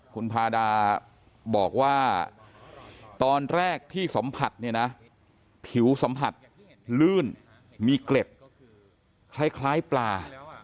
คุณพาดาบอกว่าตอนแรกที่สัมผัสเนี่ยนะผิวสัมผัสลื่นมีเกล็ดคล้ายปลา